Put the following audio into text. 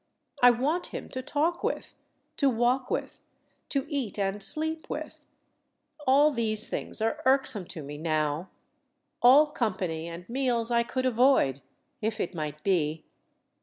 I want him to talk with, to walk with, to eat and sleep with. All these things are irksome to me now; all company and meals I could avoid, if it might be....